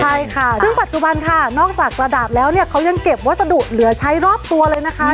ใช่ค่ะซึ่งปัจจุบันค่ะนอกจากกระดาษแล้วเนี่ยเขายังเก็บวัสดุเหลือใช้รอบตัวเลยนะคะ